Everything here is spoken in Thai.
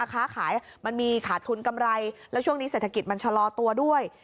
ค้าขายมันมีขาดทุนกำไรแล้วช่วงนี้เศรษฐกิจมันชะลอตัวด้วย